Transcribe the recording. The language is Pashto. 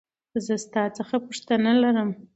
زه ستا څخه پوښتنه لرمه .